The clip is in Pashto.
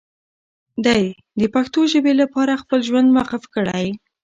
دی د پښتو ژبې لپاره خپل ژوند وقف کړی.